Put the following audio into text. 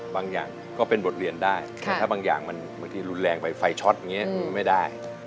อย่างก็เป็นบทเรียนได้แต่ถ้าบางอย่างมันบางทีรุนแรงไปไฟช็อตอย่างนี้ไม่ได้